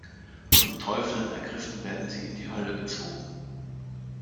Von Teufeln ergriffen werden sie in die Hölle gezogen.